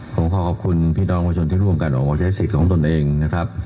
ผมขอขอบคุณพี่น้องประชาชนที่ร่วมกันออกมาใช้สิทธิ์ของตนเองนะครับ